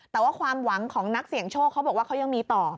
แต่ว่าความหวังของนักเสี่ยงโชคเขาบอกว่าเขายังมีต่อ